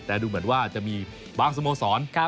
แต่ดูเหมือนว่าจะมีบางสโมสร